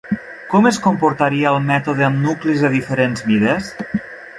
Com es comportaria el mètode amb nuclis de diferents mides?